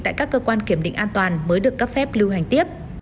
tại các cơ quan kiểm định an toàn mới được cấp phép lưu hành tiếp